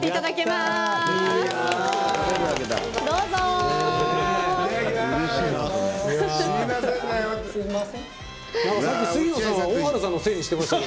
すいませんね。